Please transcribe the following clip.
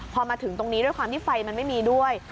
พอมาถึงตรงนี้ด้วยความที่ไฟมันไม่มีด้วย